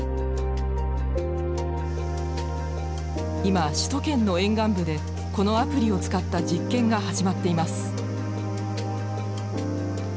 今首都圏の沿岸部でこのアプリを使った実験が始まっています。